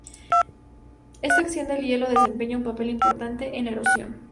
Esta acción del hielo desempeña un papel importante en la erosión.